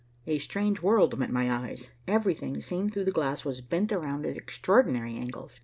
A strange world met my eyes. Everything seen through the glass was bent around at extraordinary angles.